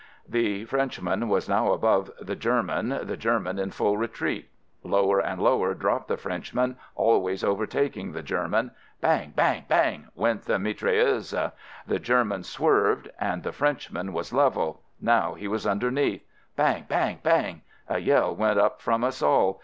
The Frenchman was now above the Ger man, the German in full retreat. Lower and lower dropped the Frenchman, al ways overtaking the German. Bang! bang! bang! went the mitrailleuses. The German swerved — the Frenchman was level — now he was underneath ! Bang ! bang ! bang ! A yell went up from us all.